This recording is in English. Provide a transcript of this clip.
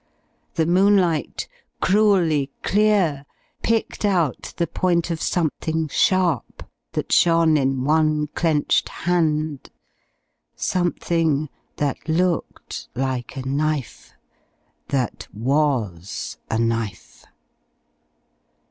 The moonlight, cruelly clear, picked out the point of something sharp that shone in one clenched hand, something that looked like a knife that was a knife.